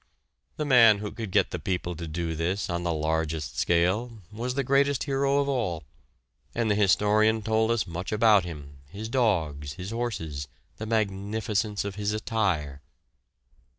The man who could get the people to do this on the largest scale was the greatest hero of all and the historian told us much about him, his dogs, his horses, the magnificence of his attire.